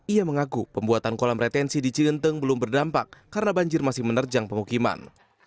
ia mengaku pembuatan kolam retensi di cigenteng belum berdampak karena banjir masih menerjang pemukiman